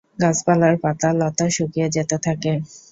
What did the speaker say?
গাছপালার পাতা, লতা শুকিয়ে যেতে থাকে।